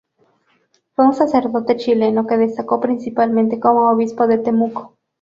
Fue un sacerdote chileno que destacó principalmente como Obispo de Temuco.